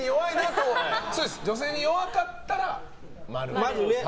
女性に弱かったら○ですね。